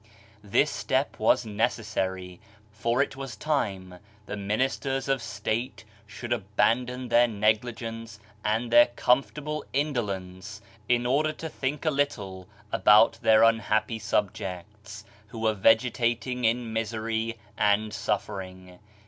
This step was necessary : for it was time the ministers of state should abandon their negligence and their comfortable indolence, in order to think a little about their unhappy sub jects, who were vegetating in misery and suffering.